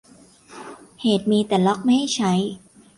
เหตุมีแต่ล็อคไม่ให้ใช้